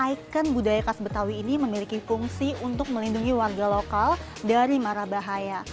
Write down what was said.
ikon budaya khas betawi ini memiliki fungsi untuk melindungi warga lokal dari marah bahaya